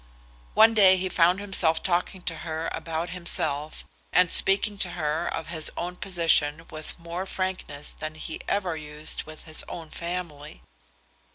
One day he found himself talking to her about himself, and speaking to her of his own position with more frankness than he ever used with his own family.